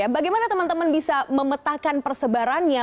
bagaimana teman teman bisa memetakan persebarannya